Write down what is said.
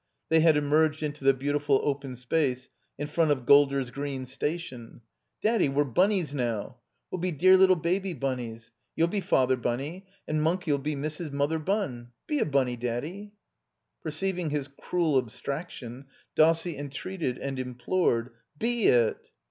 (They had emerged into the beautiful open space in front of Gk)lder's Gre^i Station.) "Daddy, we're bunnies now! We'll be dea' little baby bunnies. You'll be Father Btmny, and Winky 'U be Mrs. Mother Bun! Be a bunny, Daddy?" Perceiving his cruel abstraction, Dossie entreated and implored. *'Be it!"